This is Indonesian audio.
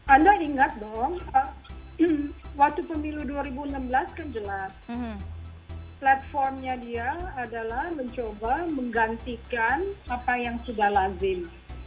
anda ingat dong waktu pemilu dua ribu enam belas kan jelas platformnya dia adalah mencoba menggantikan apa yang sudah lazim